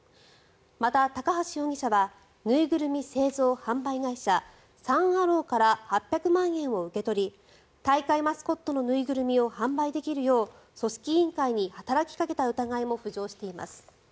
また、高橋容疑者は縫いぐるみ製造・販売会社サン・アローから８００万円を受け取り大会マスコットの縫いぐるみを販売できるよう組織委員会に働きかけた疑いも浮上しています。